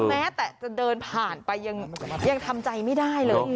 แม้แต่จะเดินผ่านไปยังทำใจไม่ได้เลย